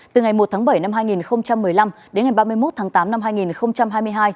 từ ngày một tháng bảy năm hai nghìn một mươi năm đến ngày ba mươi một tháng tám năm hai nghìn hai mươi hai